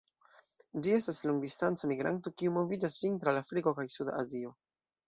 Ĝi estas longdistanca migranto kiu moviĝas vintre al Afriko kaj suda Azio.